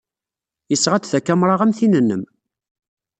Yesɣa-d takamra am tin-nnem.